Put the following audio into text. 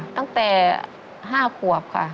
ตั้งแต่๕ขวบค่ะ